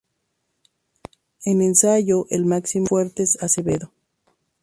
En Ensayo, el Máximo Fuertes Acevedo.